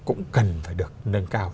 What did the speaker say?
cũng cần phải được nâng cao